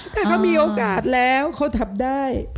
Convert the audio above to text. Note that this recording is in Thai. ถ้าเขามีโอกาสแล้วเขาทำได้